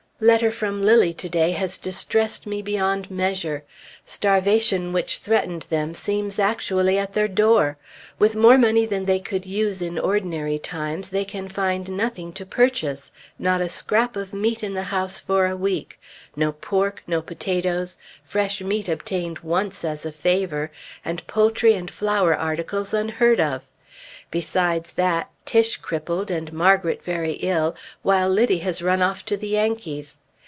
Letter from Lilly to day has distressed me beyond measure. Starvation which threatened them seems actually at their door. With more money than they could use in ordinary times, they can find nothing to purchase. Not a scrap of meat in the house for a week. No pork, no potatoes, fresh meat obtained once as a favor, and poultry and flour articles unheard of. Besides that, Tiche crippled, and Margret very ill, while Liddy has run off to the Yankees.